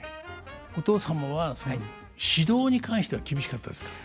お父様は指導に関しては厳しかったですか？